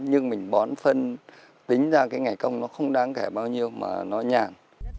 nhưng mình bón phân tính ra cái ngày công nó không đáng kể bao nhiêu mà nó nhàn